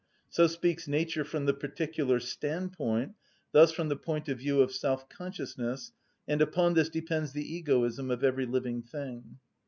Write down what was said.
So speaks nature from the particular standpoint, thus from the point of view of self‐ consciousness, and upon this depends the egoism of every living thing.